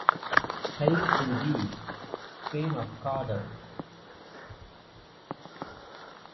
Hail to thee, Thane of Cawdor!